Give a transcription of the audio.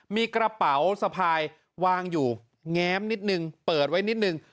มีกระเป๋าสะพายวางอยู่แง้มนิดนึงเปิดไว้นิดนึง